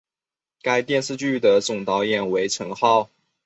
该电视剧的总导演为成浩。